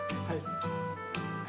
はい。